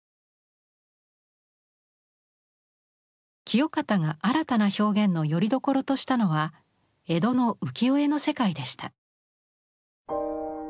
清方が新たな表現のよりどころとしたのは江戸の浮世絵の世界でした。